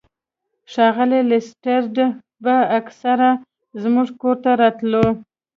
ښاغلی لیسټرډ به اکثر زموږ کور ته راتلو.